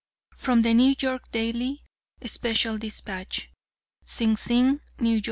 FROM THE NEW YORK DAILY (Special Despatch:) "SING SING, N. Y.